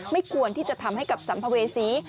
ไม่ควรที่จะทำให้กับสัมภเวษี